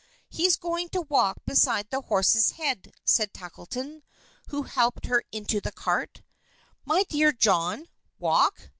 "He's going to walk beside the horse's head," said Tackleton, who helped her into the cart. "My dear John! Walk?